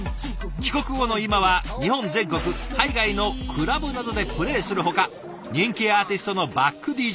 帰国後の今は日本全国海外のクラブなどでプレイするほか人気アーティストのバックＤＪ